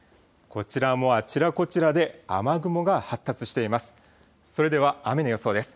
こちらもあちらこちらで雨雲が発達しています。